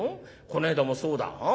この間もそうだ。